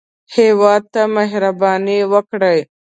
هېواد ته مهرباني وکړئ